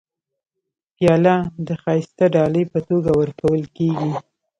پیاله د ښایسته ډالۍ په توګه ورکول کېږي.